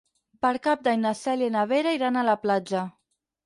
Per Cap d'Any na Cèlia i na Vera iran a la platja.